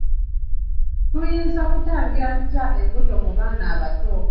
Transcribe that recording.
Tuyinza kutangira tutya embuto mu baana abato?